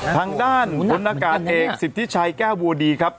ทางด้านผู้นากอันเอกศิษย์ทิชัยแก้ววูดีครับ